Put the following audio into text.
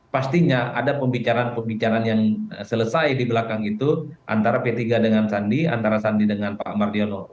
pastinya ada pembicaraan pembicaraan yang selesai di belakang itu antara p tiga dengan sandi antara sandi dengan pak mardiono